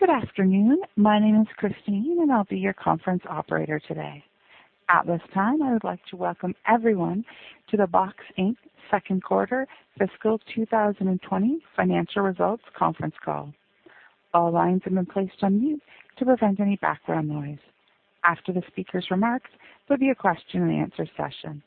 Good afternoon. My name is Christine, and I'll be your conference operator today. At this time, I would like to welcome everyone to the Box, Inc.'s second quarter fiscal 2020 financial results conference call. All lines have been placed on mute to prevent any background noise. After the speaker's remarks, there'll be a question and answer session.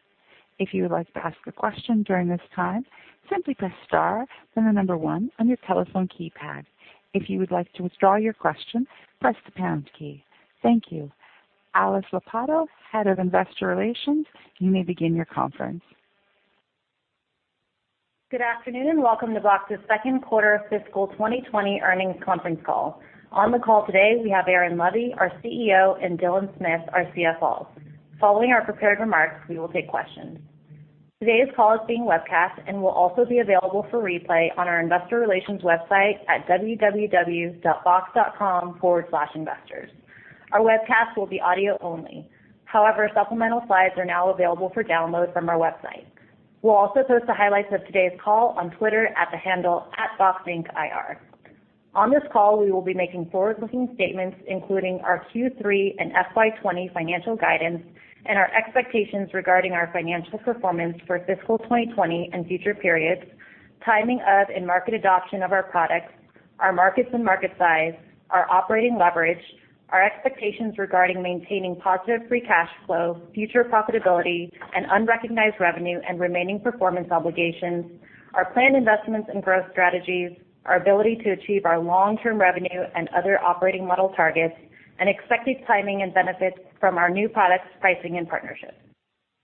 If you would like to ask a question during this time, simply press star, then the number one on your telephone keypad. If you would like to withdraw your question, press the pound key. Thank you. Elaine Gaudioso, Head of Investor Relations, you may begin your conference. Good afternoon. Welcome to Box's second quarter fiscal 2020 earnings conference call. On the call today, we have Aaron Levie, our CEO, and Dylan Smith, our CFO. Following our prepared remarks, we will take questions. Today's call is being webcast and will also be available for replay on our investor relations website at www.box.com/investors. Our webcast will be audio only. However, supplemental slides are now available for download from our website. We'll also post the highlights of today's call on Twitter at the handle @boxincIR. On this call, we will be making forward-looking statements, including our Q3 and FY20 financial guidance and our expectations regarding our financial performance for fiscal 2020 and future periods, timing of and market adoption of our products, our markets and market size, our operating leverage, our expectations regarding maintaining positive free cash flow, future profitability, and unrecognized revenue and remaining performance obligations, our planned investments and growth strategies, our ability to achieve our long-term revenue and other operating model targets, and expected timing and benefits from our new products, pricing, and partnerships.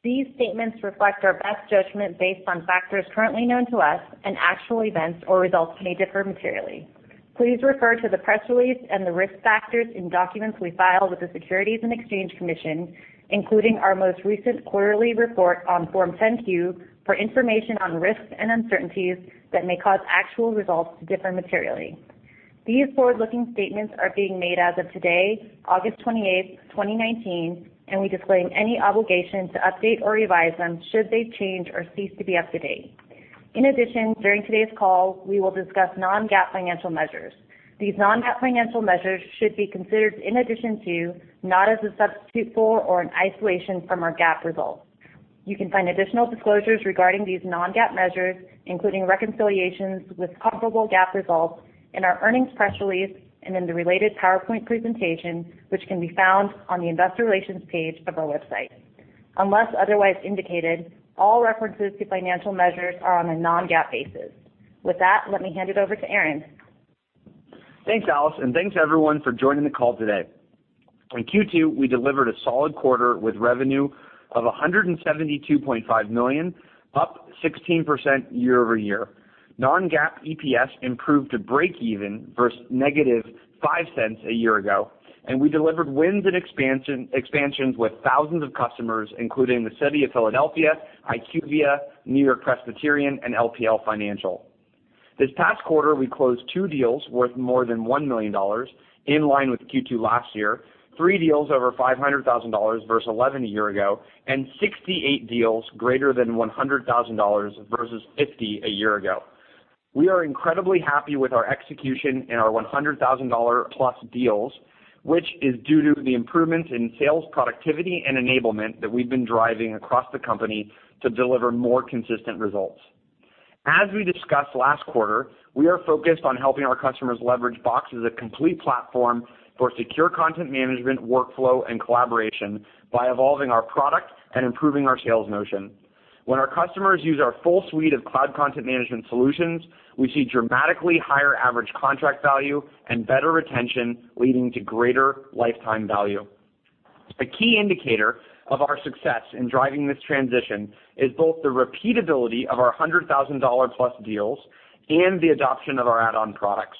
These statements reflect our best judgment based on factors currently known to us, and actual events or results may differ materially. Please refer to the press release and the risk factors in documents we file with the Securities and Exchange Commission, including our most recent quarterly report on Form 10-Q for information on risks and uncertainties that may cause actual results to differ materially. These forward-looking statements are being made as of today, August 28th, 2019, and we disclaim any obligation to update or revise them should they change or cease to be up to date. In addition, during today's call, we will discuss non-GAAP financial measures. These non-GAAP financial measures should be considered in addition to, not as a substitute for or an isolation from, our GAAP results. You can find additional disclosures regarding these non-GAAP measures, including reconciliations with comparable GAAP results, in our earnings press release and in the related PowerPoint presentation, which can be found on the investor relations page of our website. Unless otherwise indicated, all references to financial measures are on a non-GAAP basis. With that, let me hand it over to Aaron. Thanks, Elaine, and thanks, everyone, for joining the call today. In Q2, we delivered a solid quarter with revenue of $172.5 million, up 16% year-over-year. Non-GAAP EPS improved to breakeven versus -$0.05 a year ago, and we delivered wins and expansions with thousands of customers, including the City of Philadelphia, IQVIA, NewYork-Presbyterian, and LPL Financial. This past quarter, we closed two deals worth more than $1 million, in line with Q2 last year, three deals over $500,000 versus 11 a year ago, and 68 deals greater than $100,000 versus 50 a year ago. We are incredibly happy with our execution and our $100,000-plus deals, which is due to the improvements in sales productivity and enablement that we've been driving across the company to deliver more consistent results. As we discussed last quarter, we are focused on helping our customers leverage Box as a complete platform for secure content management, workflow, and collaboration by evolving our product and improving our sales motion. When our customers use our full suite of cloud content management solutions, we see dramatically higher average contract value and better retention, leading to greater lifetime value. A key indicator of our success in driving this transition is both the repeatability of our $100,000-plus deals and the adoption of our add-on products.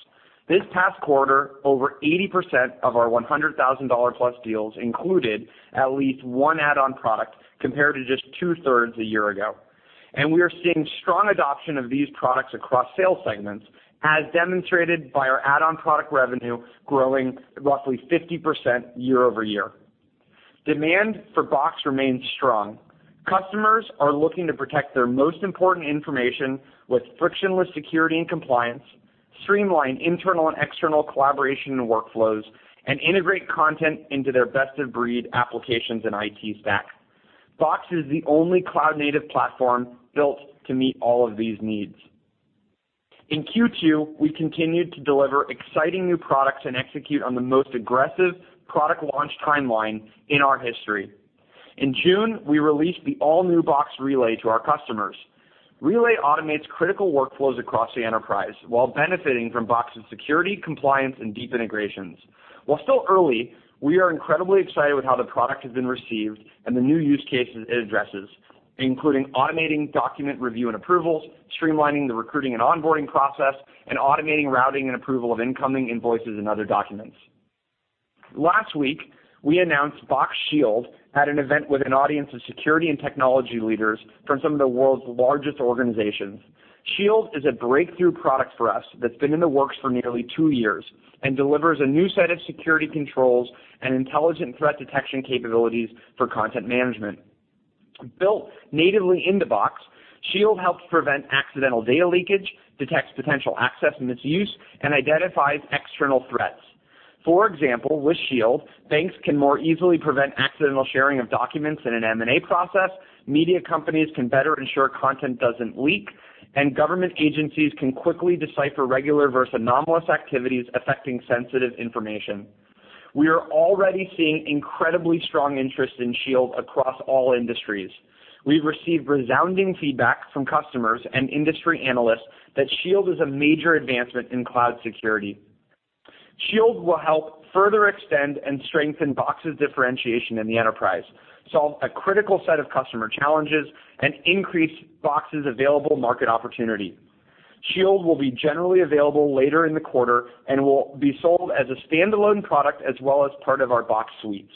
This past quarter, over 80% of our $100,000-plus deals included at least one add-on product, compared to just two-thirds a year ago. We are seeing strong adoption of these products across sales segments, as demonstrated by our add-on product revenue growing roughly 50% year-over-year. Demand for Box remains strong. Customers are looking to protect their most important information with frictionless security and compliance, streamline internal and external collaboration and workflows, and integrate content into their best-of-breed applications and IT stack. Box is the only cloud-native platform built to meet all of these needs. In Q2, we continued to deliver exciting new products and execute on the most aggressive product launch timeline in our history. In June, we released the all-new Box Relay to our customers. Relay automates critical workflows across the enterprise while benefiting from Box's security, compliance, and deep integrations. While still early, we are incredibly excited with how the product has been received and the new use cases it addresses, including automating document review and approvals, streamlining the recruiting and onboarding process, and automating routing and approval of incoming invoices and other documents. Last week, we announced Box Shield at an event with an audience of security and technology leaders from some of the world's largest organizations. Shield is a breakthrough product for us that's been in the works for nearly two years and delivers a new set of security controls and intelligent threat detection capabilities for content management. Built natively into Box, Shield helps prevent accidental data leakage, detects potential access misuse, and identifies external threats. For example, with Shield, banks can more easily prevent accidental sharing of documents in an M&A process, media companies can better ensure content doesn't leak, and government agencies can quickly decipher regular versus anomalous activities affecting sensitive information. We are already seeing incredibly strong interest in Shield across all industries. We've received resounding feedback from customers and industry analysts that Shield is a major advancement in cloud security. Shield will help further extend and strengthen Box's differentiation in the enterprise, solve a critical set of customer challenges, and increase Box's available market opportunity. Shield will be generally available later in the quarter and will be sold as a standalone product as well as part of our Box Suites.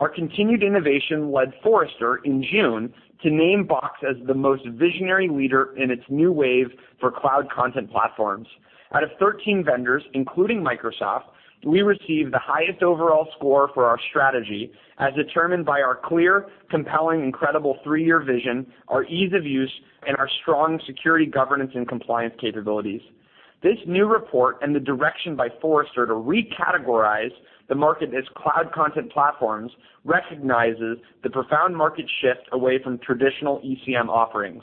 Our continued innovation led Forrester in June to name Box as the most visionary leader in its new wave for cloud content platforms. Out of 13 vendors, including Microsoft, we received the highest overall score for our strategy as determined by our clear, compelling, and incredible three-year vision, our ease of use, and our strong security, governance, and compliance capabilities. This new report and the direction by Forrester to recategorize the market as cloud content platforms recognizes the profound market shift away from traditional ECM offerings.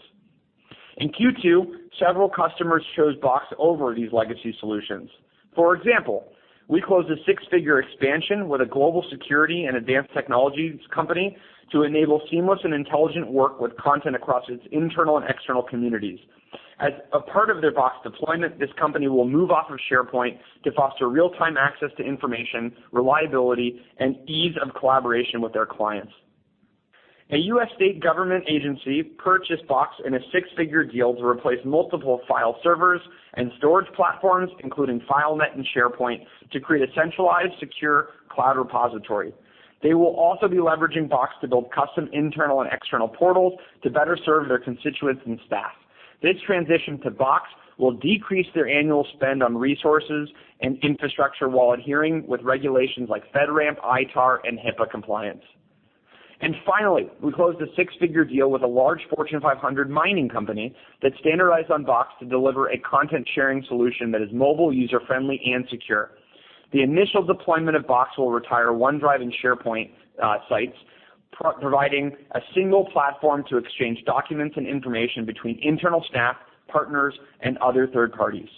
In Q2, several customers chose Box over these legacy solutions. For example, we closed a six-figure expansion with a global security and advanced technologies company to enable seamless and intelligent work with content across its internal and external communities. As a part of their Box deployment, this company will move off of SharePoint to foster real-time access to information, reliability, and ease of collaboration with their clients. A U.S. state government agency purchased Box in a six-figure deal to replace multiple file servers and storage platforms, including FileNet and SharePoint, to create a centralized, secure cloud repository. They will also be leveraging Box to build custom internal and external portals to better serve their constituents and staff. This transition to Box will decrease their annual spend on resources and infrastructure while adhering with regulations like FedRAMP, ITAR, and HIPAA compliance. Finally, we closed a six-figure deal with a large Fortune 500 mining company that standardized on Box to deliver a content-sharing solution that is mobile, user-friendly, and secure. The initial deployment of Box will retire OneDrive and SharePoint sites, providing a single platform to exchange documents and information between internal staff, partners, and other third parties.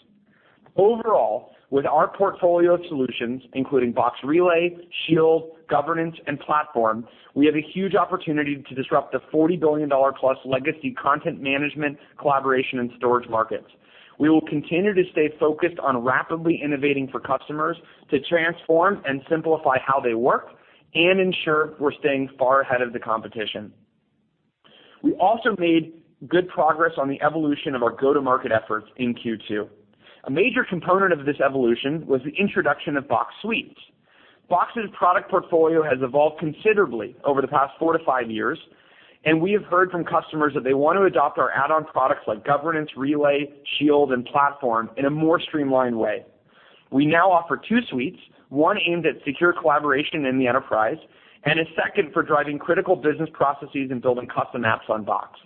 Overall, with our portfolio of solutions, including Box Relay, Shield, Governance, and Platform, we have a huge opportunity to disrupt the $40 billion-plus legacy content management, collaboration, and storage markets. We will continue to stay focused on rapidly innovating for customers to transform and simplify how they work and ensure we're staying far ahead of the competition. We also made good progress on the evolution of our go-to-market efforts in Q2. A major component of this evolution was the introduction of Box Suites. Box's product portfolio has evolved considerably over the past four to five years. We have heard from customers that they want to adopt our add-on products like Governance, Relay, Shield, and Platform in a more streamlined way. We now offer two suites, one aimed at secure collaboration in the enterprise, and a second for driving critical business processes and building custom apps on Box.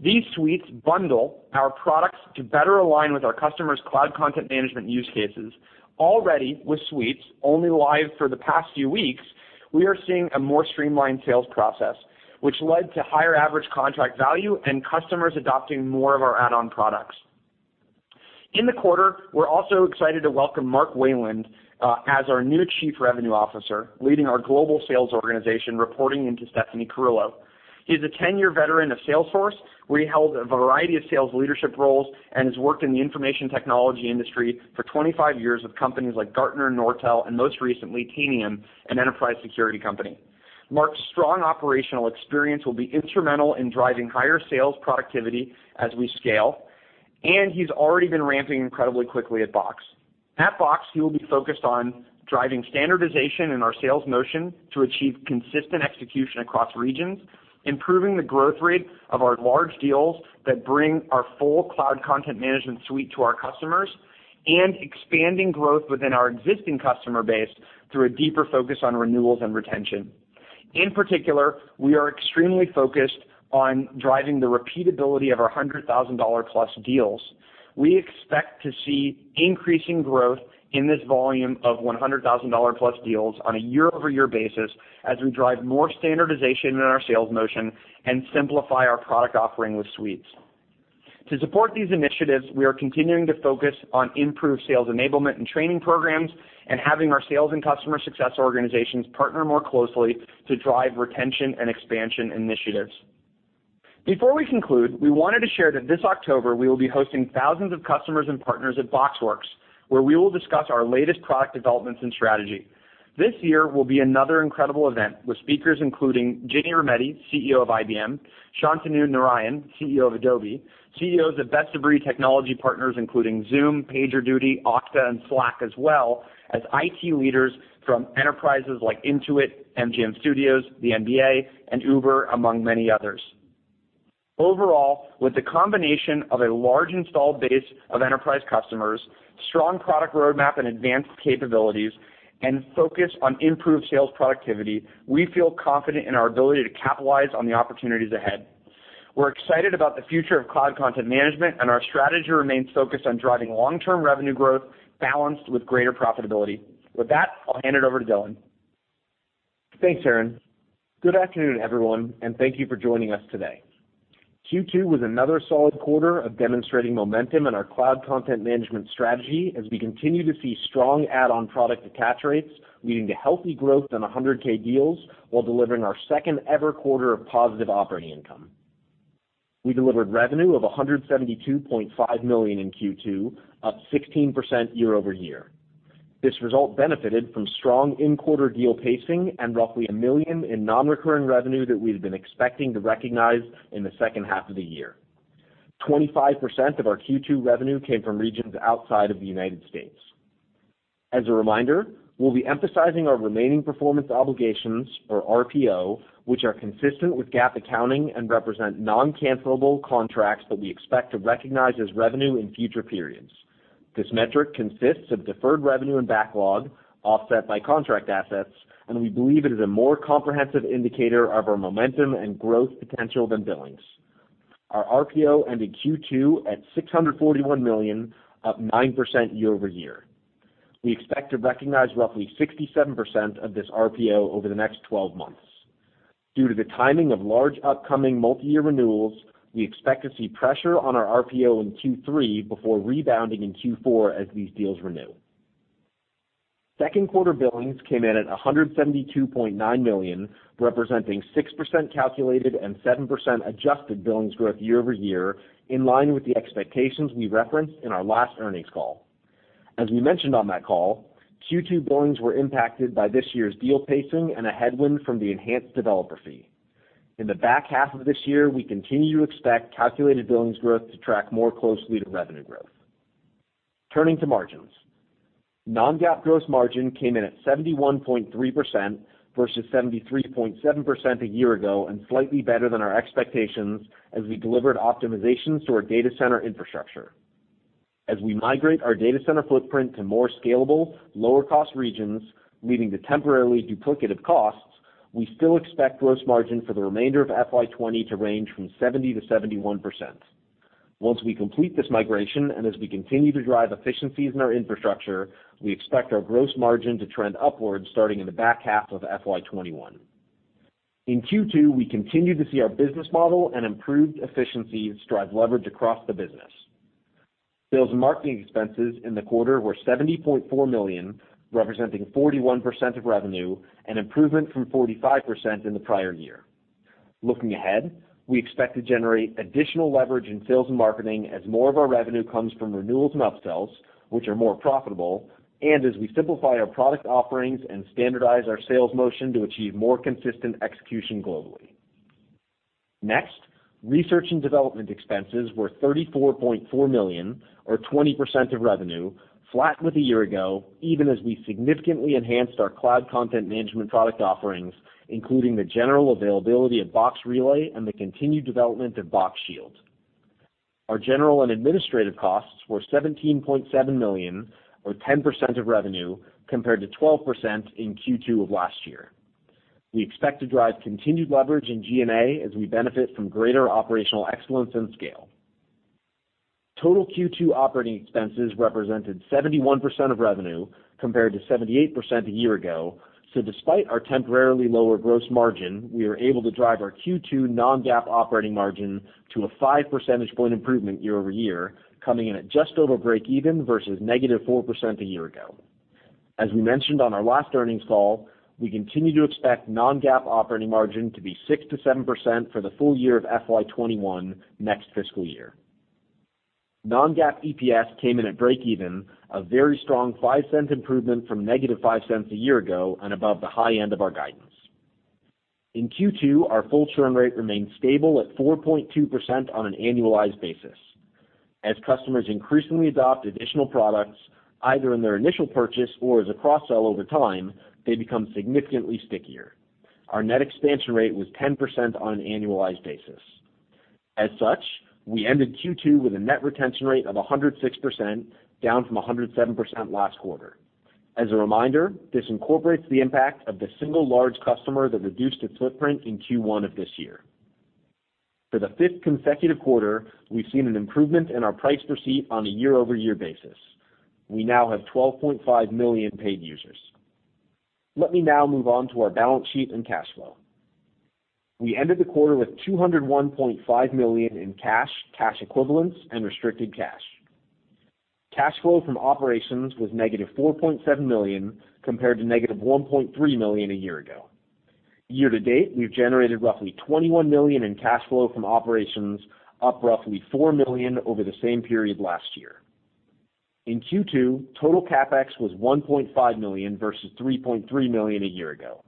These suites bundle our products to better align with our customers' cloud content management use cases. Already with Suites, only live for the past few weeks, we are seeing a more streamlined sales process, which led to higher average contract value and customers adopting more of our add-on products. In the quarter, we're also excited to welcome Mark Wayland as our new Chief Revenue Officer, leading our global sales organization, reporting into Stephanie Carullo. He's a 10-year veteran of Salesforce, where he held a variety of sales leadership roles and has worked in the information technology industry for 25 years with companies like Gartner, Nortel, and most recently, Tanium, an enterprise security company. Mark's strong operational experience will be instrumental in driving higher sales productivity as we scale, and he's already been ramping incredibly quickly at Box. At Box, he will be focused on driving standardization in our sales motion to achieve consistent execution across regions, improving the growth rate of our large deals that bring our full cloud content management suite to our customers, and expanding growth within our existing customer base through a deeper focus on renewals and retention. In particular, we are extremely focused on driving the repeatability of our $100,000-plus deals. We expect to see increasing growth in this volume of $100,000-plus deals on a year-over-year basis as we drive more standardization in our sales motion and simplify our product offering with Suites. To support these initiatives, we are continuing to focus on improved sales enablement and training programs and having our sales and customer success organizations partner more closely to drive retention and expansion initiatives. Before we conclude, we wanted to share that this October, we will be hosting thousands of customers and partners at BoxWorks, where we will discuss our latest product developments and strategy. This year will be another incredible event with speakers including Ginni Rometty, CEO of IBM, Shantanu Narayen, CEO of Adobe, CEOs of best-of-breed technology partners, including Zoom, PagerDuty, Okta, and Slack, as well as IT leaders from enterprises like Intuit, MGM Studios, the NBA, and Uber, among many others. Overall, with the combination of a large installed base of enterprise customers, strong product roadmap and advanced capabilities, and focus on improved sales productivity, we feel confident in our ability to capitalize on the opportunities ahead. We're excited about the future of cloud content management, and our strategy remains focused on driving long-term revenue growth balanced with greater profitability. With that, I'll hand it over to Dylan. Thanks, Aaron. Good afternoon, everyone, and thank you for joining us today. Q2 was another solid quarter of demonstrating momentum in our cloud content management strategy as we continue to see strong add-on product attach rates, leading to healthy growth in 100K deals while delivering our second-ever quarter of positive operating income. We delivered revenue of $172.5 million in Q2, up 16% year-over-year. This result benefited from strong in-quarter deal pacing and roughly $1 million in non-recurring revenue that we had been expecting to recognize in the second half of the year. 25% of our Q2 revenue came from regions outside of the United States. As a reminder, we'll be emphasizing our remaining performance obligations, or RPO, which are consistent with GAAP accounting and represent non-cancelable contracts that we expect to recognize as revenue in future periods. This metric consists of deferred revenue and backlog offset by contract assets, and we believe it is a more comprehensive indicator of our momentum and growth potential than billings. Our RPO ended Q2 at $641 million, up 9% year-over-year. We expect to recognize roughly 67% of this RPO over the next 12 months. Due to the timing of large upcoming multi-year renewals, we expect to see pressure on our RPO in Q3 before rebounding in Q4 as these deals renew. Second quarter billings came in at $172.9 million, representing 6% calculated and 7% adjusted billings growth year-over-year, in line with the expectations we referenced in our last earnings call. As we mentioned on that call, Q2 billings were impacted by this year's deal pacing and a headwind from the enhanced developer fee. In the back half of this year, we continue to expect calculated billings growth to track more closely to revenue growth. Turning to margins. Non-GAAP gross margin came in at 71.3% versus 73.7% a year ago, and slightly better than our expectations as we delivered optimizations to our data center infrastructure. As we migrate our data center footprint to more scalable, lower-cost regions, leading to temporarily duplicative costs, we still expect gross margin for the remainder of FY 2020 to range from 70%-71%. Once we complete this migration, and as we continue to drive efficiencies in our infrastructure, we expect our gross margin to trend upwards starting in the back half of FY 2021. In Q2, we continued to see our business model and improved efficiencies drive leverage across the business. Sales and marketing expenses in the quarter were $70.4 million, representing 41% of revenue, an improvement from 45% in the prior year. Looking ahead, we expect to generate additional leverage in sales and marketing as more of our revenue comes from renewals and upsells, which are more profitable, and as we simplify our product offerings and standardize our sales motion to achieve more consistent execution globally. Next, research and development expenses were $34.4 million or 20% of revenue, flat with a year ago, even as we significantly enhanced our cloud content management product offerings, including the general availability of Box Relay and the continued development of Box Shield. Our general and administrative costs were $17.7 million or 10% of revenue, compared to 12% in Q2 of last year. We expect to drive continued leverage in G&A as we benefit from greater operational excellence and scale. Total Q2 operating expenses represented 71% of revenue, compared to 78% a year ago. Despite our temporarily lower gross margin, we were able to drive our Q2 non-GAAP operating margin to a five-percentage point improvement year-over-year, coming in at just over break even versus negative 4% a year ago. As we mentioned on our last earnings call, we continue to expect non-GAAP operating margin to be 6%-7% for the full year of FY21 next fiscal year. Non-GAAP EPS came in at break even, a very strong $0.05 improvement from negative $0.05 a year ago and above the high end of our guidance. In Q2, our full churn rate remained stable at 4.2% on an annualized basis. As customers increasingly adopt additional products, either in their initial purchase or as a cross-sell over time, they become significantly stickier. Our net expansion rate was 10% on an annualized basis. As such, we ended Q2 with a net retention rate of 106%, down from 107% last quarter. As a reminder, this incorporates the impact of the single large customer that reduced its footprint in Q1 of this year. For the fifth consecutive quarter, we've seen an improvement in our price per seat on a year-over-year basis. We now have 12.5 million paid users. Let me now move on to our balance sheet and cash flow. We ended the quarter with $201.5 million in cash equivalents, and restricted cash. Cash flow from operations was negative $4.7 million, compared to negative $1.3 million a year ago. Year to date, we've generated roughly $21 million in cash flow from operations, up roughly $4 million over the same period last year. In Q2, total CapEx was $1.5 million versus $3.3 million a year ago.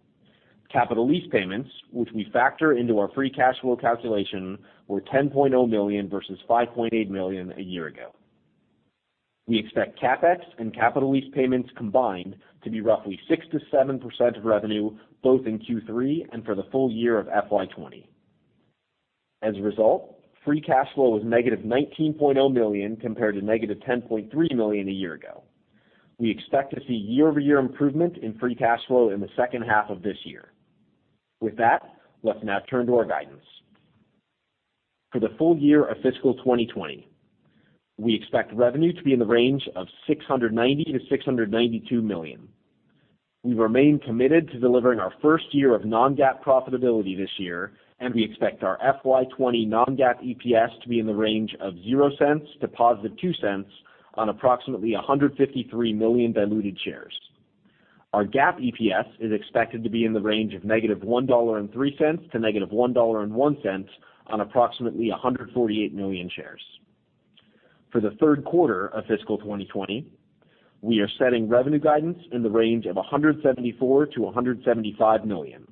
Capital lease payments, which we factor into our free cash flow calculation, were $10.0 million versus $5.8 million a year ago. We expect CapEx and capital lease payments combined to be roughly 6%-7% of revenue, both in Q3 and for the full year of FY20. As a result, free cash flow was -$19.0 million, compared to -$10.3 million a year ago. We expect to see year-over-year improvement in free cash flow in the second half of this year. With that, let's now turn to our guidance. For the full year of fiscal 2020, we expect revenue to be in the range of $690 million-$692 million. We remain committed to delivering our first year of non-GAAP profitability this year. We expect our FY20 non-GAAP EPS to be in the range of $0.00 to positive $0.02 on approximately 153 million diluted shares. Our GAAP EPS is expected to be in the range of negative $1.03 to negative $1.01 on approximately 148 million shares. For the third quarter of fiscal 2020, we are setting revenue guidance in the range of $174 million-$175 million.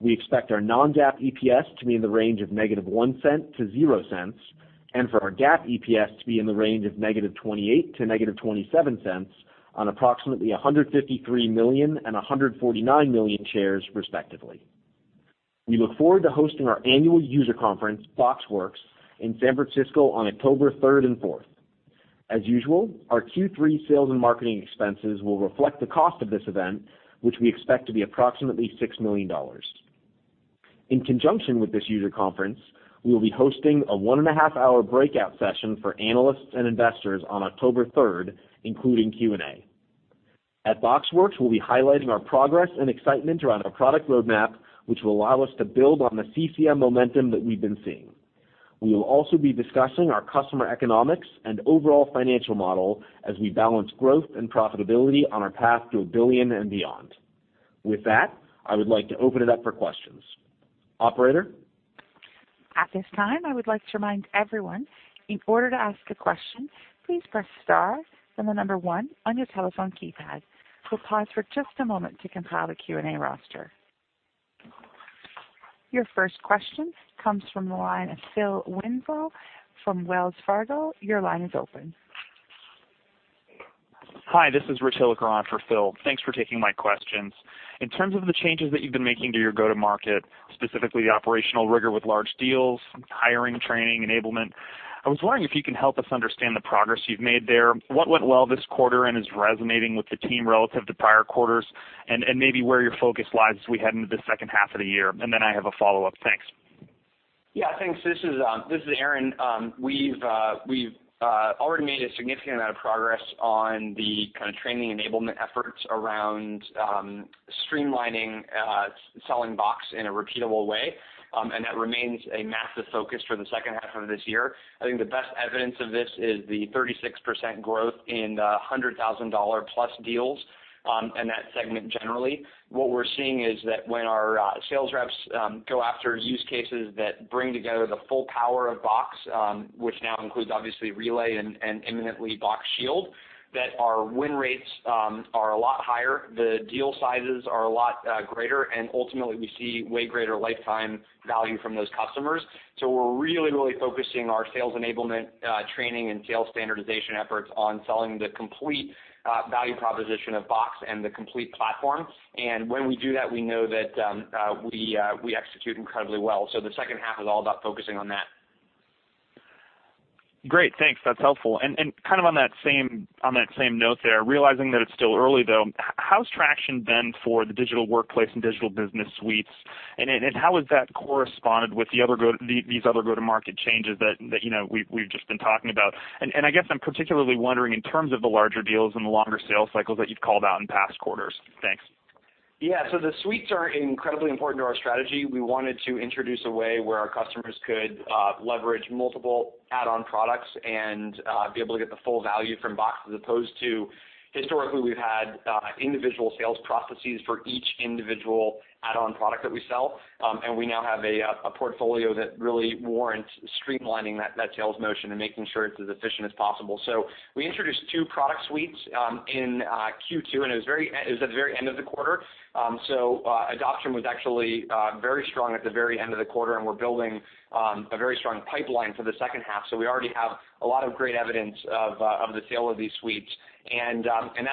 We expect our non-GAAP EPS to be in the range of negative $0.01 to $0.00, and for our GAAP EPS to be in the range of negative $0.28 to negative $0.27 on approximately 153 million and 149 million shares, respectively. We look forward to hosting our annual user conference, BoxWorks, in San Francisco on October 3rd and 4th. As usual, our Q3 sales and marketing expenses will reflect the cost of this event, which we expect to be approximately $6 million. In conjunction with this user conference, we will be hosting a one-and-a-half-hour breakout session for analysts and investors on October 3rd, including Q&A. At BoxWorks, we'll be highlighting our progress and excitement around our product roadmap, which will allow us to build on the CCM momentum that we've been seeing. We will also be discussing our customer economics and overall financial model as we balance growth and profitability on our path to a billion and beyond. With that, I would like to open it up for questions. Operator? At this time, I would like to remind everyone, in order to ask a question, please press star, then the number one on your telephone keypad. We'll pause for just a moment to compile the Q&A roster. Your first question comes from the line of Phil Winslow from Wells Fargo. Your line is open. Hi, this is Rich Hilliker on for Phil. Thanks for taking my questions. In terms of the changes that you've been making to your go-to-market, specifically the operational rigor with large deals, hiring, training, enablement, I was wondering if you can help us understand the progress you've made there. What went well this quarter and is resonating with the team relative to prior quarters? Maybe where your focus lies as we head into the second half of the year. Then I have a follow-up. Thanks. Yeah, thanks. This is Aaron. We've already made a significant amount of progress on the kind of training enablement efforts around streamlining selling Box in a repeatable way. That remains a massive focus for the second half of this year. I think the best evidence of this is the 36% growth in the $100,000-plus deals and that segment generally. What we're seeing is that when our sales reps go after use cases that bring together the full power of Box, which now includes, obviously, Relay and imminently Box Shield, that our win rates are a lot higher, the deal sizes are a lot greater. Ultimately, we see way greater lifetime value from those customers. We're really focusing our sales enablement training and sales standardization efforts on selling the complete value proposition of Box and the complete platform. When we do that, we know that we execute incredibly well. The second half is all about focusing on that. Great. Thanks. That's helpful. Kind of on that same note there, realizing that it's still early, though, how's traction been for the digital workplace and digital business suites, and how has that corresponded with these other go-to-market changes that we've just been talking about? I guess I'm particularly wondering in terms of the larger deals and the longer sales cycles that you've called out in past quarters. Thanks. The suites are incredibly important to our strategy. We wanted to introduce a way where our customers could leverage multiple add-on products and be able to get the full value from Box, as opposed to historically, we've had individual sales processes for each individual add-on product that we sell. We now have a portfolio that really warrants streamlining that sales motion and making sure it's as efficient as possible. We introduced two product suites in Q2, and it was at the very end of the quarter. Adoption was actually very strong at the very end of the quarter, and we're building a very strong pipeline for the second half. We already have a lot of great evidence of the sale of these suites. That's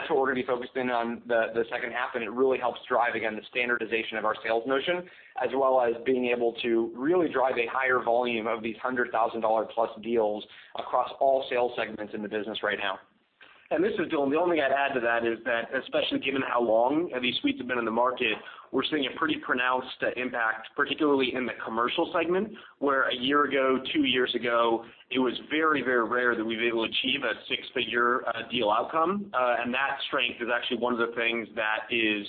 what we're going to be focusing on the second half, and it really helps drive, again, the standardization of our sales motion, as well as being able to really drive a higher volume of these $100,000-plus deals across all sales segments in the business right now. This is Dylan. The only thing I'd add to that is that, especially given how long these Box Suites have been in the market, we're seeing a pretty pronounced impact, particularly in the commercial segment, where a year ago, 2 years ago, it was very, very rare that we'd be able to achieve a six-figure deal outcome. That strength is actually one of the things that is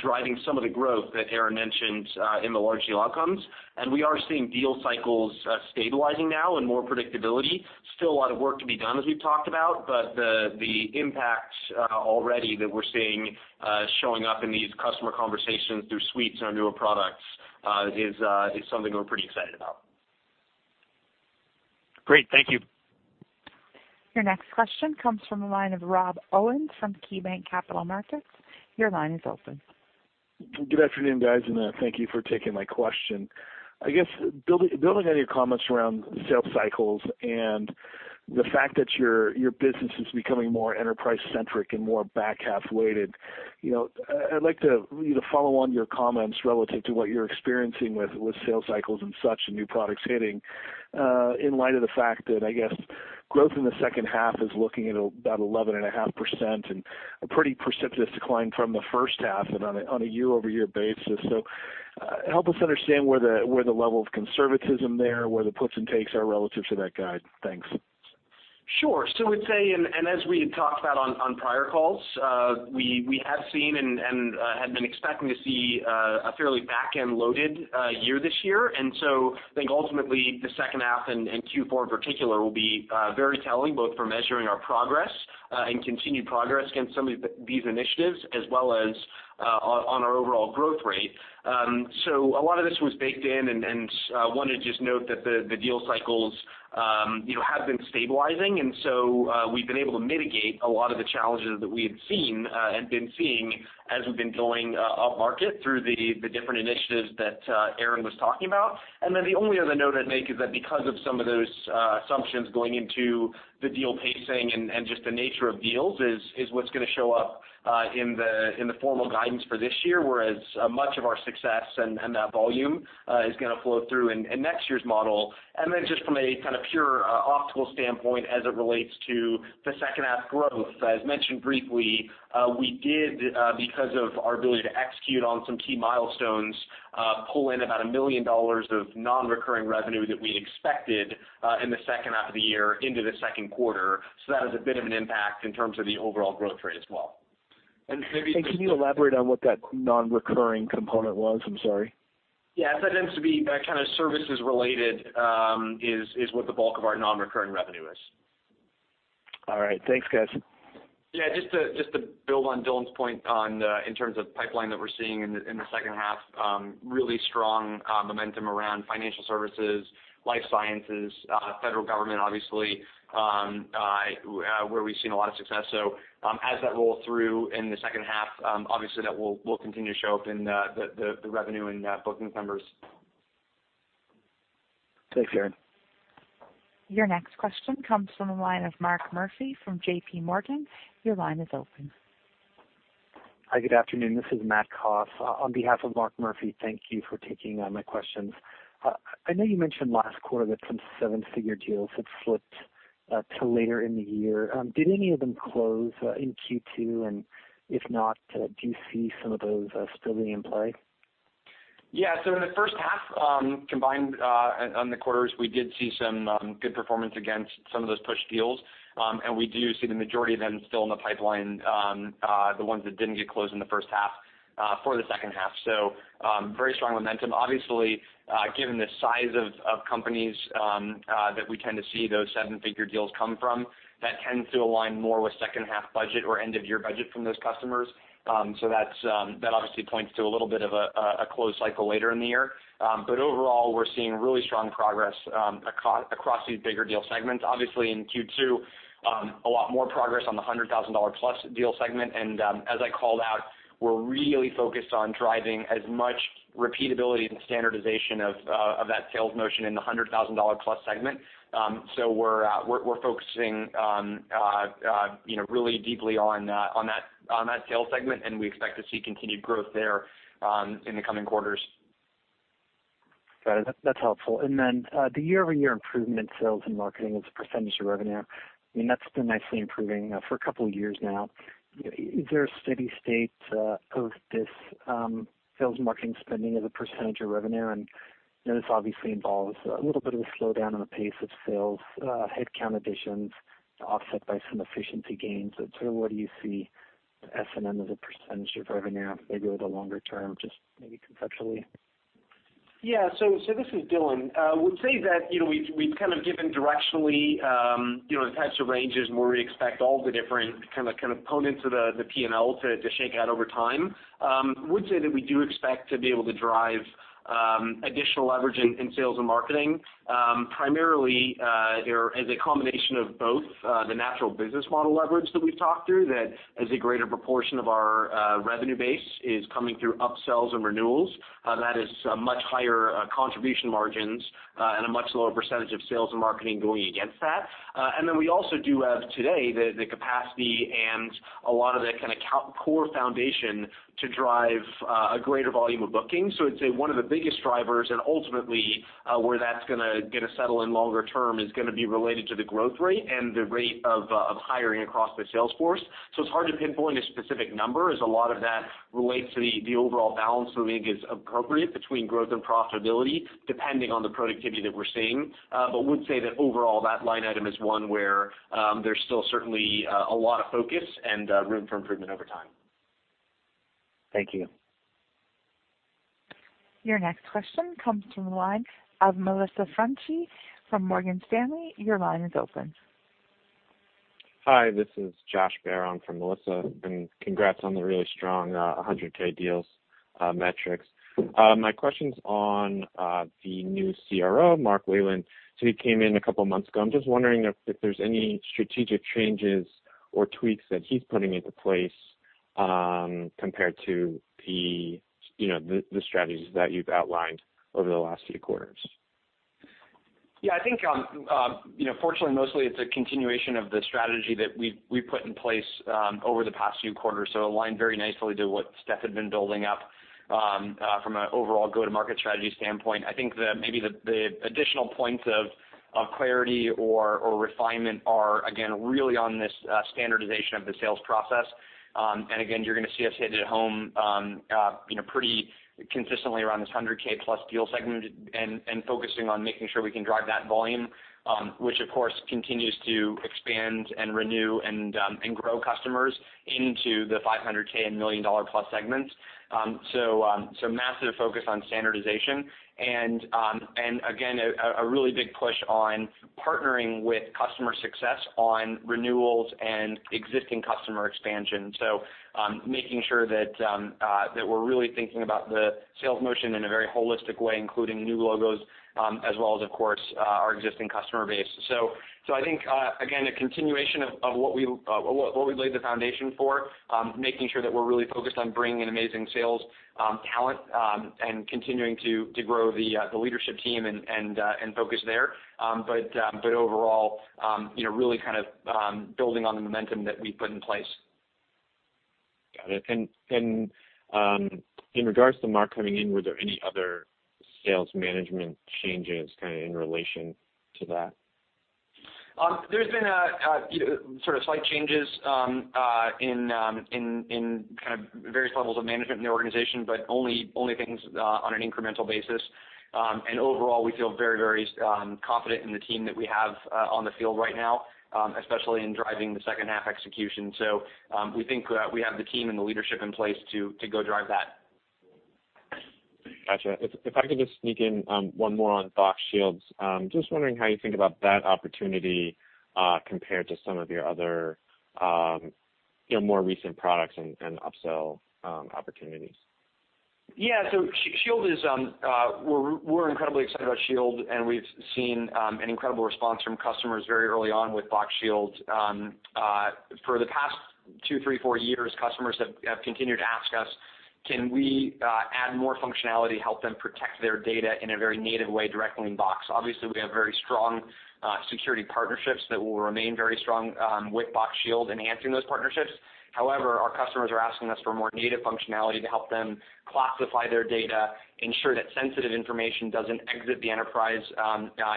driving some of the growth that Aaron mentioned in the large deal outcomes. We are seeing deal cycles stabilizing now and more predictability. Still a lot of work to be done, as we've talked about, but the impact already that we're seeing showing up in these customer conversations through Box Suites and our newer products is something we're pretty excited about. Great. Thank you. Your next question comes from the line of Rob Owens from KeyBanc Capital Markets. Your line is open. Good afternoon, guys. Thank you for taking my question. I guess, building on your comments around sales cycles and the fact that your business is becoming more enterprise-centric and more back-half weighted, I'd like to follow on your comments relative to what you're experiencing with sales cycles and such, and new products hitting, in light of the fact that, I guess, growth in the second half is looking at about 11.5% and a pretty precipitous decline from the first half and on a year-over-year basis. Help us understand where the level of conservatism there, where the puts and takes are relative to that guide. Thanks. Sure. I'd say, and as we had talked about on prior calls, we have seen and had been expecting to see a fairly back-end loaded year this year. I think ultimately the second half and Q4 in particular will be very telling, both for measuring our progress, and continued progress against some of these initiatives, as well as on our overall growth rate. A lot of this was baked in, and I want to just note that the deal cycles have been stabilizing. We've been able to mitigate a lot of the challenges that we had seen and been seeing as we've been going up market through the different initiatives that Aaron was talking about. The only other note I'd make is that because of some of those assumptions going into the deal pacing and just the nature of deals is what's going to show up in the formal guidance for this year, whereas much of our success and that volume is going to flow through in next year's model. Just from a kind of pure optics standpoint as it relates to the second half growth, as mentioned briefly, we did, because of our ability to execute on some key milestones, pull in about $1 million of non-recurring revenue that we expected in the second half of the year into the second quarter. That has a bit of an impact in terms of the overall growth rate as well. Can you elaborate on what that non-recurring component was? I'm sorry. Yeah. That tends to be kind of services related, is what the bulk of our non-recurring revenue is. All right. Thanks, guys. Just to build on Dylan's point in terms of pipeline that we're seeing in the second half, really strong momentum around financial services, life sciences, federal government, obviously, where we've seen a lot of success. As that roll through in the second half, obviously that will continue to show up in the revenue and bookings numbers. Thanks, Aaron. Your next question comes from the line of Mark Murphy from JPMorgan. Your line is open. Hi, good afternoon. This is Matthew Coss. On behalf of Mark Murphy, thank you for taking my questions. I know you mentioned last quarter that some seven-figure deals had slipped to later in the year. Did any of them close in Q2? If not, do you see some of those still being in play? Yeah. In the first half, combined on the quarters, we did see some good performance against some of those pushed deals. We do see the majority of them still in the pipeline, the ones that didn't get closed in the first half, for the second half. Very strong momentum. Obviously, given the size of companies that we tend to see those seven-figure deals come from, that tends to align more with second half budget or end of year budget from those customers. That obviously points to a little bit of a closed cycle later in the year. Overall, we're seeing really strong progress across these bigger deal segments. Obviously, in Q2, a lot more progress on the $100,000-plus deal segment. As I called out, we're really focused on driving as much repeatability and standardization of that sales motion in the $100,000-plus segment. We're focusing really deeply on that sales segment, and we expect to see continued growth there in the coming quarters. Got it. That's helpful. Then, the year-over-year improvement in sales and marketing as a % of revenue, I mean, that's been nicely improving for a couple of years now. Is there a steady state of this sales marketing spending as a % of revenue? This obviously involves a little bit of a slowdown in the pace of sales headcount additions offset by some efficiency gains. Sort of what do you see S&M as a % of revenue maybe over the longer term, just maybe conceptually? Yeah. This is Dylan. I would say that we've kind of given directionally types of ranges where we expect all the different kind of components of the P&L to shake out over time. I would say that we do expect to be able to drive additional leverage in sales and marketing, primarily as a combination of both the natural business model leverage that we've talked through, that as a greater proportion of our revenue base is coming through upsells and renewals. That is much higher contribution margins and a much lower % of sales and marketing going against that. We also do have today the capacity and a lot of the kind of core foundation to drive a greater volume of bookings. I'd say one of the biggest drivers and ultimately where that's going to get us settled in longer term is going to be related to the growth rate and the rate of hiring across the sales force. It's hard to pinpoint a specific number, as a lot of that relates to the overall balance that we think is appropriate between growth and profitability, depending on the productivity that we're seeing. Would say that overall, that line item is one where there's still certainly a lot of focus and room for improvement over time. Thank you. Your next question comes from the line of Melissa Franchi from Morgan Stanley. Your line is open. Hi, this is Josh Baer for Melissa, and congrats on the really strong 100K deals metrics. My question's on the new CRO, Mark Wayland. He came in a couple of months ago. I'm just wondering if there's any strategic changes or tweaks that he's putting into place compared to the strategies that you've outlined over the last few quarters? I think, fortunately, mostly it's a continuation of the strategy that we've put in place over the past few quarters, so aligned very nicely to what Steph had been building up from an overall go-to-market strategy standpoint. I think that maybe the additional points of clarity or refinement are, again, really on this standardization of the sales process. Again, you're going to see us hit it home pretty consistently around this $100K-plus deal segment and focusing on making sure we can drive that volume, which, of course, continues to expand and renew and grow customers into the $500K and million-dollar-plus segments. Massive focus on standardization and, again, a really big push on partnering with customer success on renewals and existing customer expansion. Making sure that we're really thinking about the sales motion in a very holistic way, including new logos, as well as, of course, our existing customer base. I think, again, a continuation of what we laid the foundation for, making sure that we're really focused on bringing in amazing sales talent, and continuing to grow the leadership team and focus there. Overall, really building on the momentum that we've put in place. Got it. In regards to Mark coming in, were there any other sales management changes in relation to that? There's been sort of slight changes in various levels of management in the organization, but only things on an incremental basis. Overall, we feel very confident in the team that we have on the field right now, especially in driving the second half execution. We think we have the team and the leadership in place to go drive that. Got you. If I could just sneak in one more on Box Shield. Just wondering how you think about that opportunity compared to some of your other more recent products and upsell opportunities? Yeah. We're incredibly excited about Shield, and we've seen an incredible response from customers very early on with Box Shield. For the past two, three, four years, customers have continued to ask us, can we add more functionality to help them protect their data in a very native way directly in Box? Obviously, we have very strong security partnerships that will remain very strong with Box Shield enhancing those partnerships. However, our customers are asking us for more native functionality to help them classify their data, ensure that sensitive information doesn't exit the enterprise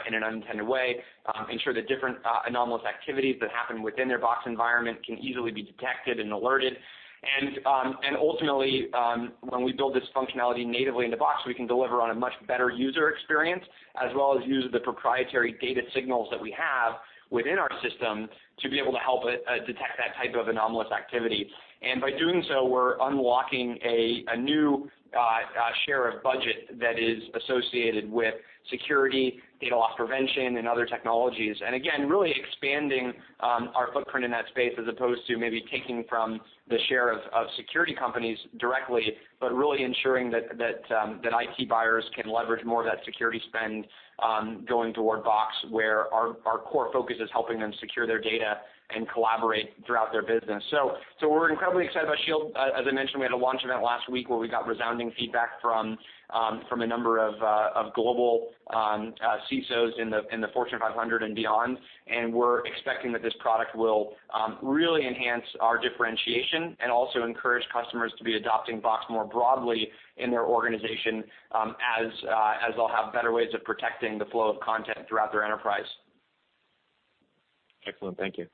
in an unintended way, ensure that different anomalous activities that happen within their Box environment can easily be detected and alerted. Ultimately, when we build this functionality natively into Box, we can deliver on a much better user experience, as well as use the proprietary data signals that we have within our system to be able to help detect that type of anomalous activity. By doing so, we're unlocking a new share of budget that is associated with security, data loss prevention, and other technologies. Again, really expanding our footprint in that space, as opposed to maybe taking from the share of security companies directly, but really ensuring that IT buyers can leverage more of that security spend going toward Box, where our core focus is helping them secure their data and collaborate throughout their business. We're incredibly excited about Shield. As I mentioned, we had a launch event last week where we got resounding feedback from a number of global CISOs in the Fortune 500 and beyond. We're expecting that this product will really enhance our differentiation and also encourage customers to be adopting Box more broadly in their organization, as they'll have better ways of protecting the flow of content throughout their enterprise. Excellent. Thank you.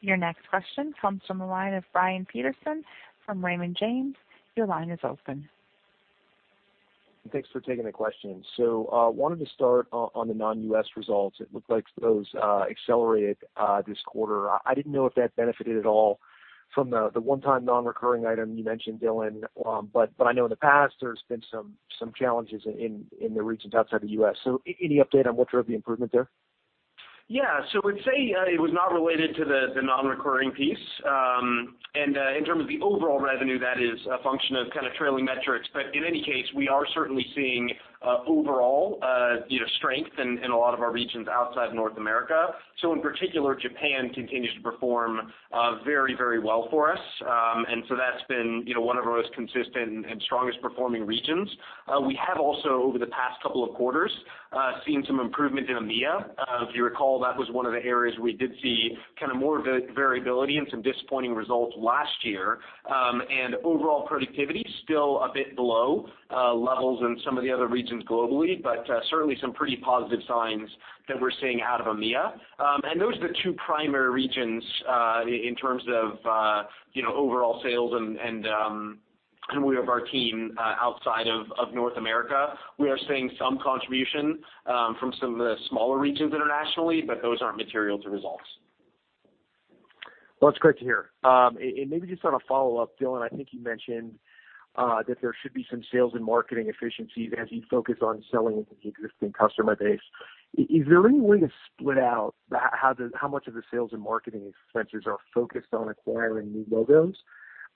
Your next question comes from the line of Brian Peterson from Raymond James. Your line is open. Thanks for taking the question. Wanted to start on the non-U.S. results. It looked like those accelerated this quarter. I didn't know if that benefited at all from the one-time non-recurring item you mentioned, Dylan, but I know in the past there's been some challenges in the regions outside the U.S. Any update on what drove the improvement there? Yeah. I'd say it was not related to the non-recurring piece. In terms of the overall revenue, that is a function of trailing metrics. In any case, we are certainly seeing overall strength in a lot of our regions outside North America. In particular, Japan continues to perform very well for us. That's been one of our most consistent and strongest performing regions. We have also, over the past couple of quarters, seen some improvement in EMEA. If you recall, that was one of the areas we did see more variability and some disappointing results last year. Overall productivity, still a bit below levels in some of the other regions globally, but certainly some pretty positive signs that we're seeing out of EMEA. Those are the two primary regions, in terms of overall sales and way of our team outside of North America. We are seeing some contribution from some of the smaller regions internationally, but those aren't material to results. Well, that's great to hear. Maybe just on a follow-up, Dylan, I think you mentioned that there should be some sales and marketing efficiencies as you focus on selling into the existing customer base. Is there any way to split out how much of the sales and marketing expenses are focused on acquiring new logos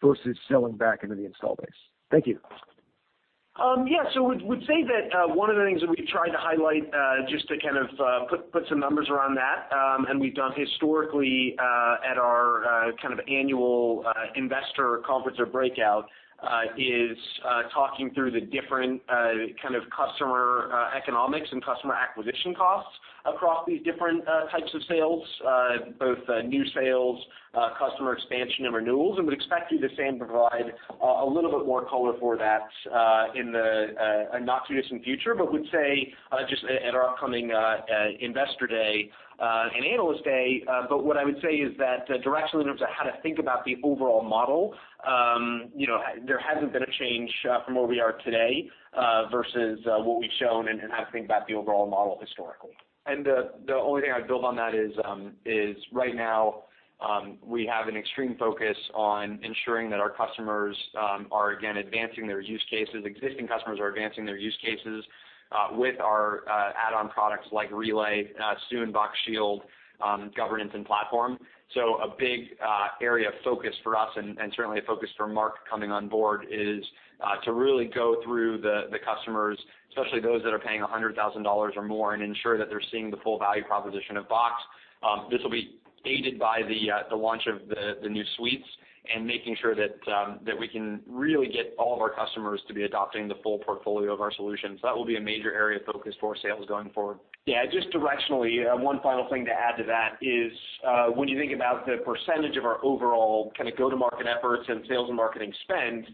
versus selling back into the install base? Thank you. We'd say that one of the things that we've tried to highlight, just to put some numbers around that, and we've done historically at our annual investor conference or breakout, is talking through the different kind of customer economics and customer acquisition costs across these different types of sales, both new sales, customer expansion, and renewals. We'd expect to the same provide a little bit more color for that in the not-too-distant future, but we'd say just at our upcoming investor day and analyst day, but what I would say is that directionally in terms of how to think about the overall model, there hasn't been a change from where we are today, versus what we've shown and how to think about the overall model historically. The only thing I'd build on that is, right now, we have an extreme focus on ensuring that our customers are, again, advancing their use cases, existing customers are advancing their use cases, with our add-on products like Box Relay, soon Box Shield, Box Governance and Box Platform. A big area of focus for us, and certainly a focus for Mark coming on board, is to really go through the customers, especially those that are paying $100,000 or more, and ensure that they're seeing the full value proposition of Box. This will be aided by the launch of the new Suites and making sure that we can really get all of our customers to be adopting the full portfolio of our solutions. That will be a major area of focus for sales going forward. Yeah, just directionally, one final thing to add to that is, when you think about the percentage of our overall go-to-market efforts and sales and marketing spend,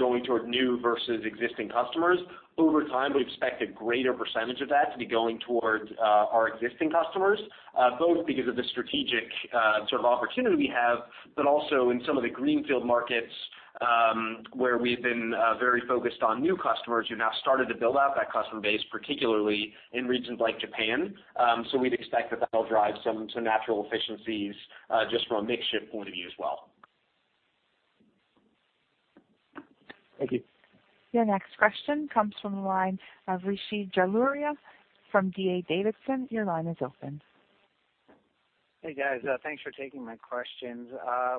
going toward new versus existing customers, over time, we'd expect a greater percentage of that to be going towards our existing customers, both because of the strategic sort of opportunity we have, but also in some of the greenfield markets, where we've been very focused on new customers who've now started to build out that customer base, particularly in regions like Japan. We'd expect that that'll drive some natural efficiencies, just from a mix shift point of view as well. Thank you. Your next question comes from the line of Rishi Jaluria from D.A. Davidson. Your line is open. Hey, guys. Thanks for taking my questions.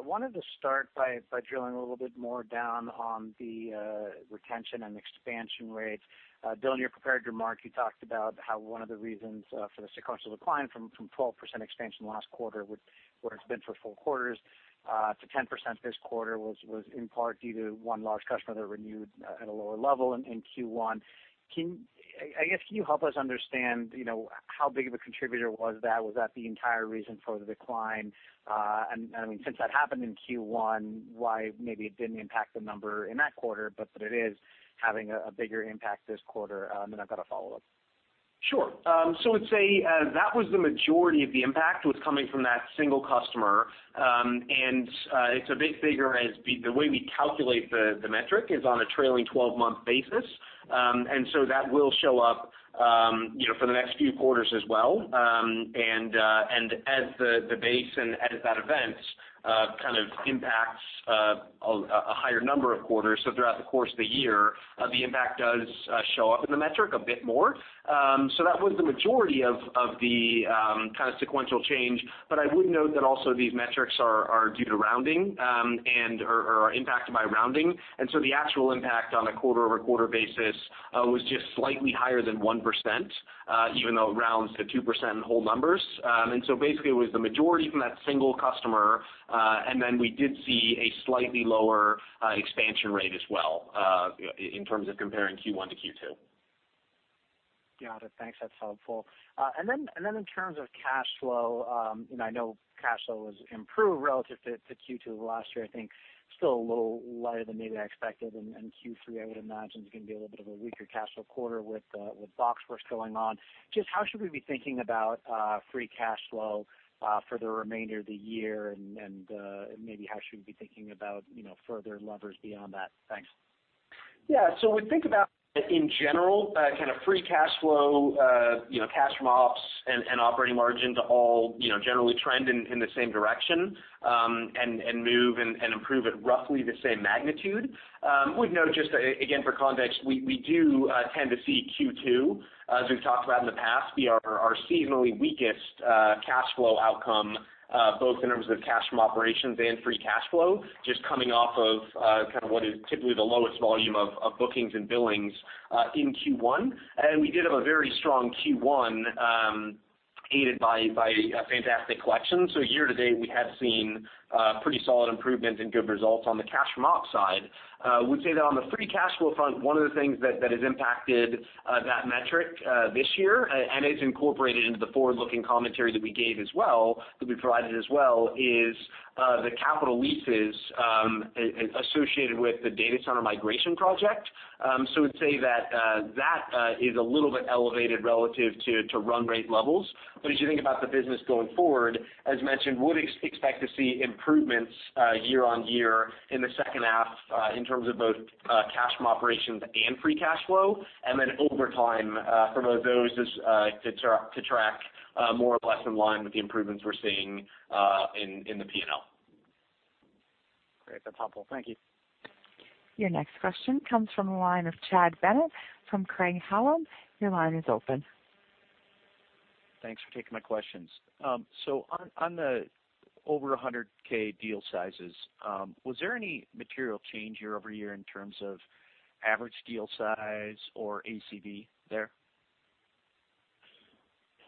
Wanted to start by drilling a little bit more down on the retention and expansion rates. Dylan, your prepared remarks, you talked about how one of the reasons for the sequential decline from 12% expansion last quarter, what it's been for four quarters, to 10% this quarter was in part due to one large customer that renewed at a lower level in Q1. I guess, can you help us understand how big of a contributor was that? Was that the entire reason for the decline? Since that happened in Q1, why maybe it didn't impact the number in that quarter, but that it is having a bigger impact this quarter? Then I've got a follow-up. Sure. I'd say that was the majority of the impact was coming from that single customer, and it's a big figure as the way we calculate the metric is on a trailing 12-month basis. That will show up for the next few quarters as well, and as the base and as that event kind of impacts a higher number of quarters, so throughout the course of the year, the impact does show up in the metric a bit more. That was the majority of the kind of sequential change. I would note that also these metrics are due to rounding, or are impacted by rounding, and the actual impact on a quarter-over-quarter basis was just slightly higher than 1%, even though it rounds to 2% in whole numbers. Basically, it was the majority from that single customer, and then we did see a slightly lower expansion rate as well, in terms of comparing Q1 to Q2. Got it. Thanks. That's helpful. Then in terms of cash flow, I know cash flow has improved relative to Q2 of last year, I think still a little lighter than maybe I expected, and Q3, I would imagine, is going to be a little bit of a weaker cash flow quarter with BoxWorks going on. Just how should we be thinking about free cash flow for the remainder of the year, and maybe how should we be thinking about further levers beyond that? Thanks. Yeah. We think about in general, kind of free cash flow, cash from ops, and operating margin to all generally trend in the same direction, and move and improve at roughly the same magnitude. Would note just again for context, we do tend to see Q2, as we've talked about in the past, be our seasonally weakest cash flow outcome, both in terms of cash from operations and free cash flow, just coming off of what is typically the lowest volume of bookings and billings in Q1. We did have a very strong Q1, aided by a fantastic collection. Year to date, we have seen pretty solid improvements and good results on the cash from op side. Would say that on the free cash flow front, one of the things that has impacted that metric this year, and it's incorporated into the forward-looking commentary that we gave as well, that we provided as well, is the capital leases associated with the data center migration project. Would say that that is a little bit elevated relative to run rate levels. As you think about the business going forward, as mentioned, would expect to see improvements year-over-year in the second half in terms of both cash from operations and free cash flow, and then over time for those to track more or less in line with the improvements we're seeing in the P&L. Great. That's helpful. Thank you. Your next question comes from the line of Chad Bennett from Craig-Hallum. Your line is open. Thanks for taking my questions. On the over 100k deal sizes, was there any material change year-over-year in terms of average deal size or ACV there?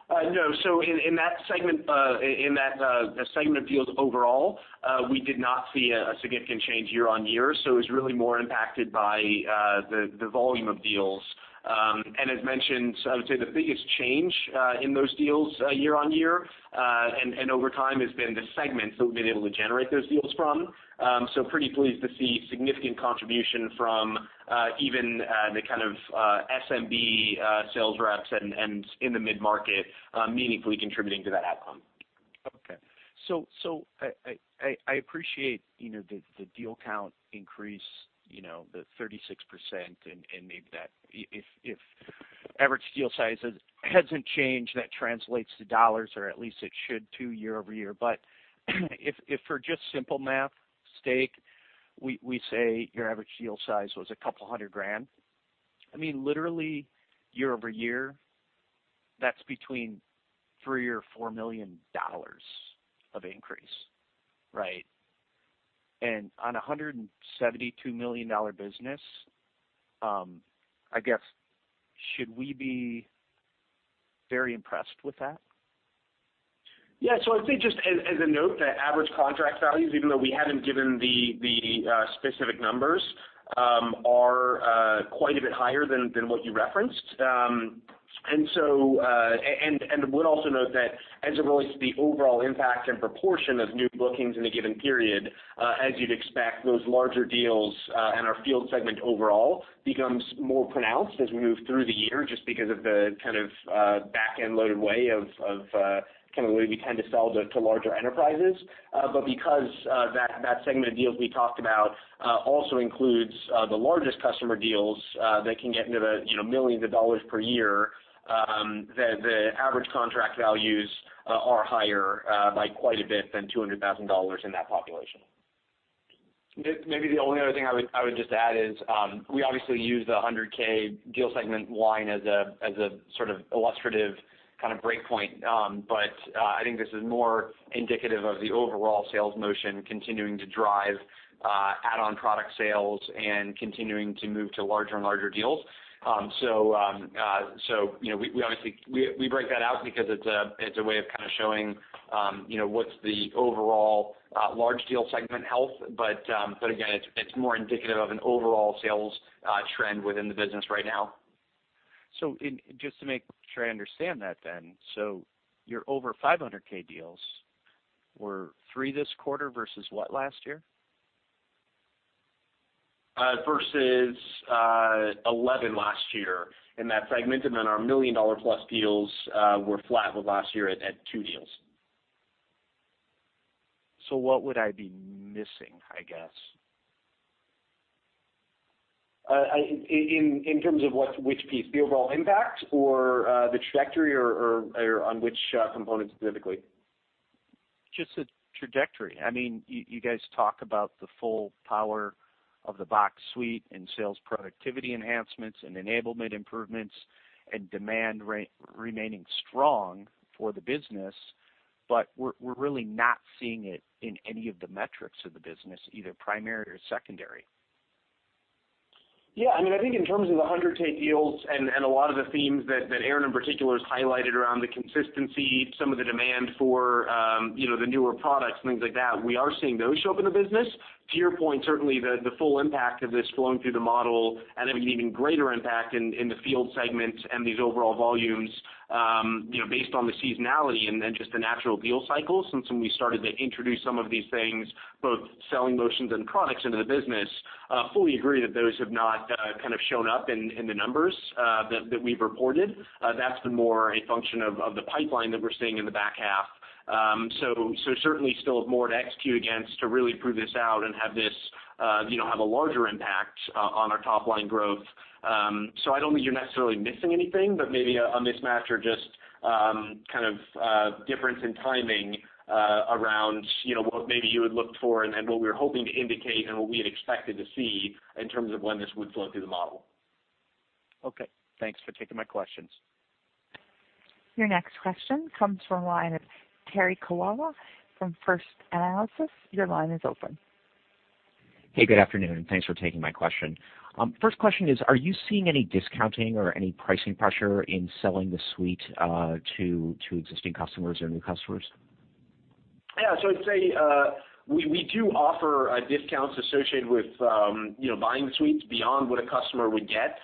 No. In that segment of deals overall, we did not see a significant change year-over-year. It was really more impacted by the volume of deals. As mentioned, I would say the biggest change in those deals year-over-year and over time, has been the segments that we've been able to generate those deals from. Pretty pleased to see significant contribution from even the kind of SMB sales reps and in the mid-market, meaningfully contributing to that outcome. I appreciate the deal count increase, the 36%, and maybe that if average deal sizes hasn't changed, that translates to dollars or at least it should to year-over-year. If for just simple math's sake, we say your average deal size was a couple hundred grand. I mean, literally year-over-year, that's between $3 or $4 million of increase, right? On $172 million business, I guess, should we be very impressed with that? I'd say just as a note that average contract values, even though we haven't given the specific numbers, are quite a bit higher than what you referenced. Would also note that as it relates to the overall impact and proportion of new bookings in a given period, as you'd expect, those larger deals and our field segment overall becomes more pronounced as we move through the year just because of the kind of back-end loaded way of the way we tend to sell to larger enterprises. Because that segment of deals we talked about also includes the largest customer deals that can get into the $ millions per year, the average contract values are higher by quite a bit than $200,000 in that population. Maybe the only other thing I would just add is, we obviously use the 100k deal segment line as a sort of illustrative kind of break point. I think this is more indicative of the overall sales motion continuing to drive add-on product sales and continuing to move to larger and larger deals. We break that out because it's a way of kind of showing what's the overall large deal segment health. Again, it's more indicative of an overall sales trend within the business right now. Just to make sure I understand that then. Your over 500k deals were three this quarter versus what last year? Versus 11 last year in that segment, and then our million-dollar plus deals were flat with last year at two deals. What would I be missing, I guess? In terms of which piece? The overall impact or the trajectory or on which component specifically? Just the trajectory. You guys talk about the full power of the Box Suite and sales productivity enhancements and enablement improvements and demand remaining strong for the business. We're really not seeing it in any of the metrics of the business, either primary or secondary. Yeah, I think in terms of the 100K deals and a lot of the themes that Aaron in particular has highlighted around the consistency, some of the demand for the newer products and things like that, we are seeing those show up in the business. To your point, certainly the full impact of this flowing through the model and having an even greater impact in the field segments and these overall volumes, based on the seasonality and then just the natural deal cycle since when we started to introduce some of these things, both selling motions and products into the business, fully agree that those have not kind of shown up in the numbers that we've reported. That's been more a function of the pipeline that we're seeing in the back half. Certainly still have more to execute against to really prove this out and have a larger impact on our top-line growth. I don't think you're necessarily missing anything, but maybe a mismatch or just kind of difference in timing around what maybe you had looked for and what we were hoping to indicate and what we had expected to see in terms of when this would flow through the model. Okay. Thanks for taking my questions. Your next question comes from the line of Terry Kawaja from First Analysis. Your line is open. Hey, good afternoon, and thanks for taking my question. First question is, are you seeing any discounting or any pricing pressure in selling the Suite to existing customers or new customers? Yeah. I'd say, we do offer discounts associated with buying suites beyond what a customer would get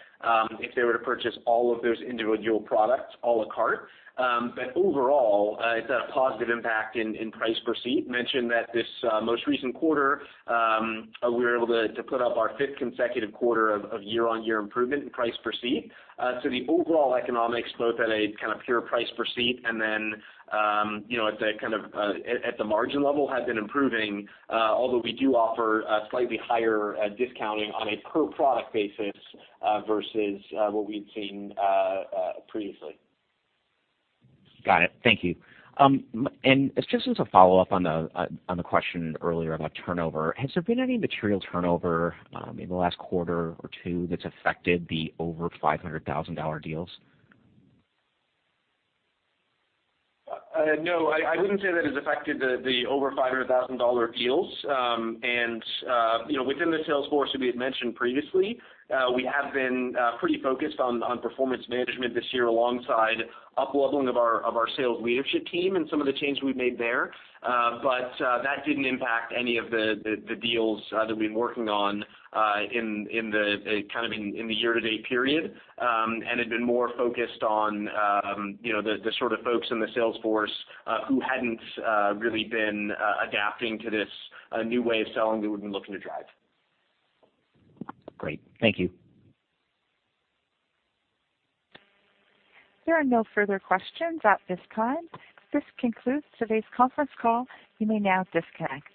if they were to purchase all of those individual products à la carte. Overall, it's had a positive impact in price per seat. Mentioned that this most recent quarter, we were able to put up our fifth consecutive quarter of year-over-year improvement in price per seat. The overall economics, both at a kind of pure price per seat and then at the margin level, have been improving, although we do offer slightly higher discounting on a per product basis versus what we'd seen previously. Got it. Thank you. Just as a follow-up on the question earlier about turnover, has there been any material turnover in the last quarter or two that's affected the over $500,000 deals? No, I wouldn't say that it's affected the over $500,000 deals. Within the sales force that we had mentioned previously, we have been pretty focused on performance management this year alongside up-leveling of our sales leadership team and some of the changes we've made there. That didn't impact any of the deals that we've been working on in the year-to-date period, and had been more focused on the sort of folks in the sales force who hadn't really been adapting to this new way of selling that we've been looking to drive. Great. Thank you. There are no further questions at this time. This concludes today's conference call. You may now disconnect.